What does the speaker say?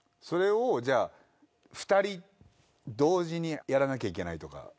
それをじゃあ２人同時にやらなきゃいけないとか。